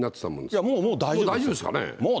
いや、もう大丈夫でしょう。